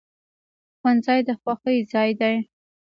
ښوونځی د خوښۍ ځای دی